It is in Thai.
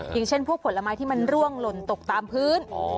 อย่างเช่นพวกผลไม้ที่มันร่วงหล่นตกตามพื้น